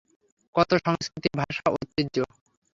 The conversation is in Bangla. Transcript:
কতো সংষ্কৃতি, ভাষা, ঐতিহ্য!